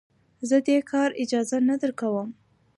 زه دې کار اجازه نه درکوم.